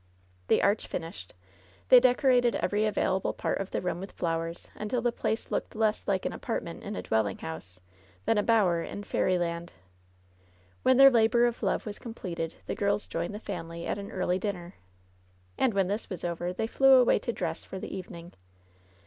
The arch finished, they decorated every available part of the room with flowers, until the place looked less like an apartment in a dwelling house than a bower in fairy land. When their labor of love was completed the girls joined the family at an early dinner. And when this was over they flew away to dress for the evening.